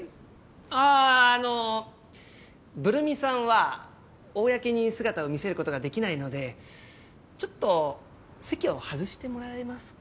あああのブル美さんは公に姿を見せることができないのでちょっと席を外してもらえますか？